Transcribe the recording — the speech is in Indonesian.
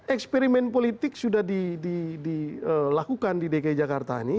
eksperimen politik sudah dilakukan di dki jakarta ini